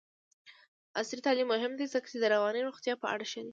عصري تعلیم مهم دی ځکه چې د رواني روغتیا په اړه ښيي.